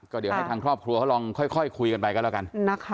เขาตอบอย่างที่เห็น